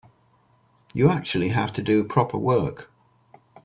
You actually have to do proper work.